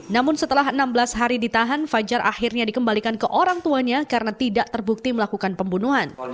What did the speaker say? namun setelah enam belas hari ditahan fajar akhirnya dikembalikan ke orang tuanya karena tidak terbukti melakukan pembunuhan